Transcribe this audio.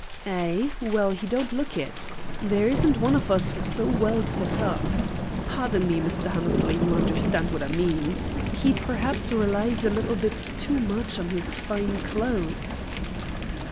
"He? Well, he don't look it. There isn't one of us so well set up. Pardon me, Mr. Hammersley, you understand what I mean. He perhaps relies a little bit too much on his fine clothes."